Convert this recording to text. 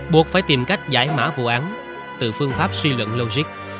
buộc phải tìm cách giải mã vụ án từ phương pháp suy luận logic